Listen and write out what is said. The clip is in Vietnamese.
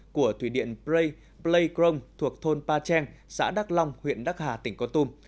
của thủy điện plei krom thuộc thôn pa trang xã đắc long huyện đắc hà tỉnh con tum